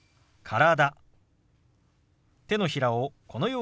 「体」。